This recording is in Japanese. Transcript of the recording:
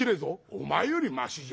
「お前よりましじゃ。